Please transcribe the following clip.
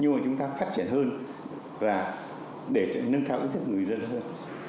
nhưng mà chúng ta phát triển hơn và để nâng cao ý thức của người dân hơn